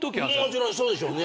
もちろんそうでしょうね。